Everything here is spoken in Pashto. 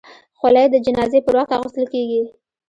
خولۍ د جنازې پر وخت اغوستل کېږي.